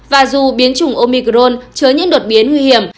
và dù biến chủng omicron chứa những đột biến nguy hiểm